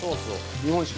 日本酒！